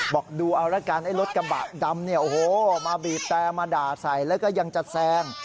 บอกดูเอาระการรถกระบะดำมาบีบแต่มาด่าใส่แล้วก็ยังจัดแซง